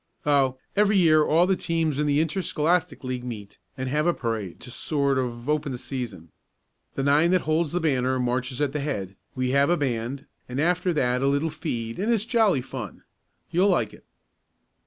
"Oh, every year all the teams in the Interscholastic League meet and have a parade to sort of open the season. The nine that holds the banner marches at the head, we have a band, and after that a little feed and it's jolly fun. You'll like it."